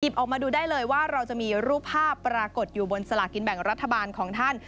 ออกมาดูได้เลยว่าเราจะมีรูปภาพปรากฏอยู่บนสลากินแบ่งรัฐบาลของท่าน